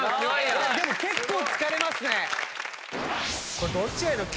でも結構疲れますね。